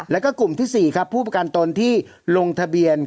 แล้วก็กลุ่มที่๔ครับผู้ประกันตนที่ลงทะเบียน